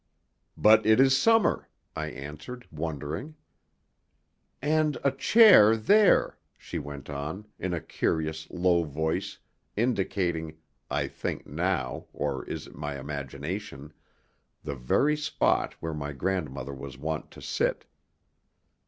"But it is summer," I answered, wondering. "And a chair there," she went on, in a curious low voice, indicating I think now, or is it my imagination? the very spot where my grandmother was wont to sit.